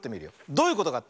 どういうことかって？